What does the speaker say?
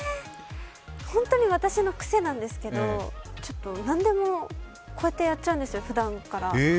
本当に私のくせなんですけど何でもこうやっちゃうんですよ、ふだんから。